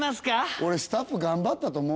俺スタッフ頑張ったと思う。